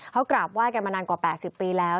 เขากราบไห้กันมานานกว่า๘๐ปีแล้ว